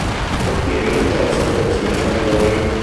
Ottiene un terzo posto in Giappone.